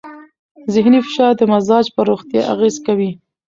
ذهنې فشار د مزاج پر روغتیا اغېز کوي.